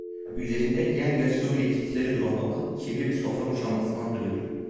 Üzerinde yer yer su birikintileri duran ova, kirli bir sofra muşambasını andırıyordu…